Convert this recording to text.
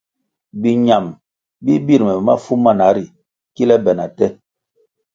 Biñam bi bir me mafu mana ri kile be na te.